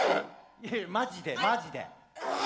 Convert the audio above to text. いやいやマジでマジで。